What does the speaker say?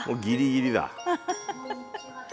ギリギリ！